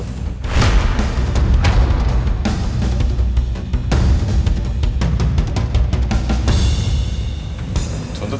aku yang tuntut